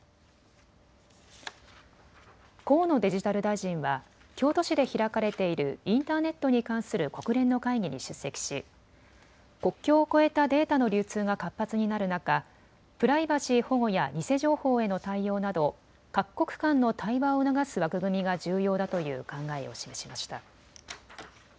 河野デジタル大臣は京都市で開かれているインターネットに関する国連の会議に出席し国境を越えたデータの流通が活発になる中、プライバシー保護や偽情報への対応など各国間の対話を促す枠組みが重要だという考えを示しました。